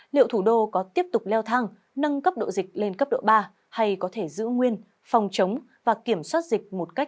liệu thủ đô có tiếp tục leo thang nâng cấp độ dịch lên cấp độ ba hay có thể giữ nguyên phòng chống và kiểm soát dịch một cách